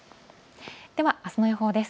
では、あすの予報です。